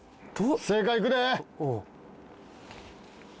正解いくで！